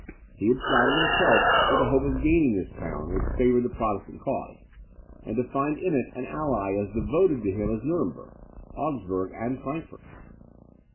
He had flattered himself with the hope of gaining this town, which favoured the Protestant cause, and to find in it an ally as devoted to him as Nuremberg, Augsburg, and Frankfort.